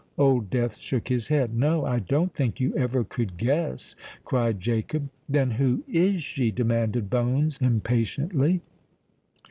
Old Death shook his head. "No—I don't think you ever could guess," cried Jacob. "Then who is she?" demanded Bones impatiently.